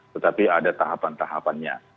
tetapi ada tahapan tahapannya